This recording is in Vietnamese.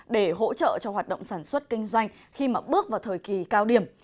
để hỗ trợ cho hoạt động sản xuất kinh doanh khi mà bước vào thời kỳ cao điểm